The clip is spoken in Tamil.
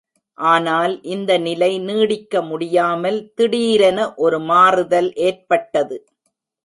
ஆனால் இந்த நிலை நீடிக்க முடியாமல் திடீரென ஒரு மாறுதல் ஏற்பட்டது.